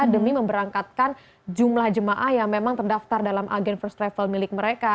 demi memberangkatkan jumlah jemaah yang memang terdaftar dalam agen first travel milik mereka